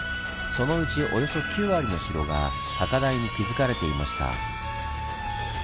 そのうちおよそ９割の城が高台に築かれていました。